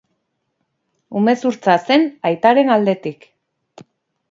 Umezurtza zen aitaren aldetik.